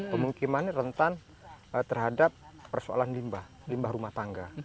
pemukiman rentan terhadap persoalan limbah limbah rumah tangga